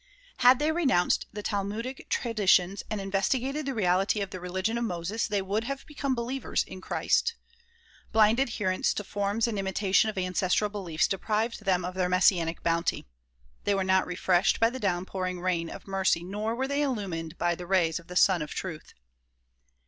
Had they renounced the talmudic tradi tions and investigated the reality of the religion of Moses, they would have become believers in Christ. Blind adherence to forms and imitation of ancestral beliefs deprived them of their messianic bounty. They were not refreshed by the downpouring rain of mercy nor were they illumined by the rays of the Sun of Truth.